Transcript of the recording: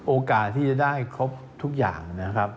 โอกาสที่จะได้ครบทุกอย่าง